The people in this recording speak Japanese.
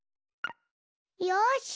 よし！